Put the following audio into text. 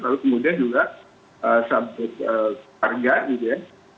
lalu kemudian juga sampai harga gitu ya